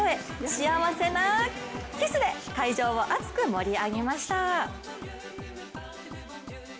幸せなキスで、会場を熱く盛り上げました。